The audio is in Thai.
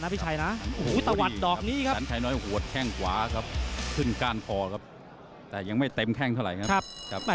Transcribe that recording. เปรี้ยงครับแข่งซ้ายหน้า